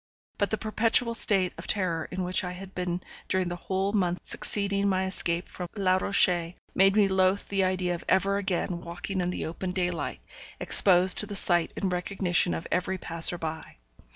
But the perpetual state of terror in which I had been during the whole months succeeding my escape from Les Rochers made me loathe the idea of ever again walking in the open daylight, exposed to the sight and recognition of every passer by.